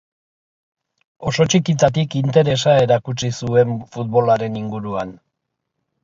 Oso txikitatik interesa erakutsi zuen futbolaren inguruan.